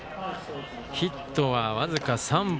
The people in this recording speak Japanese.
ヒットは僅か３本。